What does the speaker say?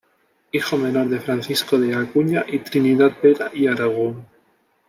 Hijo menor de Francisco de Acuña y Trinidad Vera y Aragón.